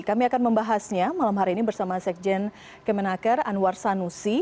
kami akan membahasnya malam hari ini bersama sekjen kemenaker anwar sanusi